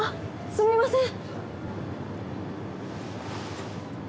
すみません！